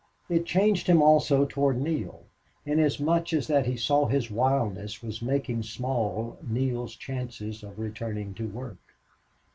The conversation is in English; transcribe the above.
It changed him, also, toward Neale, inasmuch as that he saw his wildness, was making small Neale's chances of returning to work.